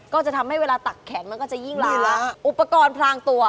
ก็จะทำให้เวลาตักแขนมันก็จะยิ่งลายละอุปกรณ์พลางตัว